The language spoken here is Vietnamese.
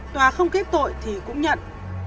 tòa không kết tội thì cũng nhận